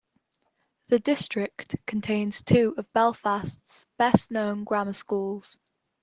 The district contains two of Belfast's best known grammar schools.